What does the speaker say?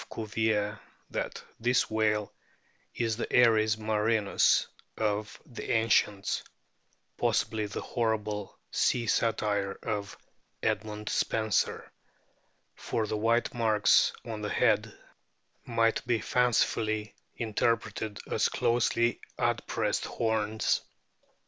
Cuvier,* that this whale is the "aries marinus " of the ancients (possibly the "horrible Sea satyre " of Edmund Spenser), for the white marks on the head might be fancifully interpreted as closely adpressed horns.